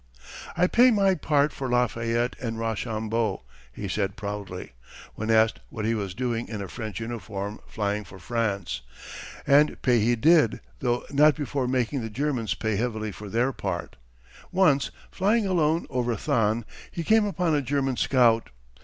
"I pay my part for Lafayette, and Rochambeau," he said proudly, when asked what he was doing in a French uniform flying for France. And pay he did though not before making the Germans pay heavily for their part. Once, flying alone over Thann, he came upon a German scout.